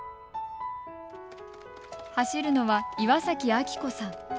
走るのは岩崎昭子さん。